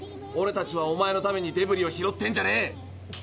オレたちはおまえのためにデブリを拾ってんじゃねえ。